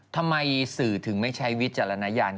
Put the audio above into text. ทำไมสื่อถึงไม่ใช้วิจารณญาณ